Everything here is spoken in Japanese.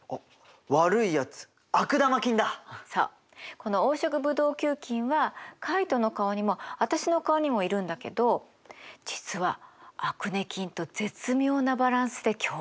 この黄色ブドウ球菌はカイトの顔にも私の顔にもいるんだけど実はアクネ菌と絶妙なバランスで共存してるのよ。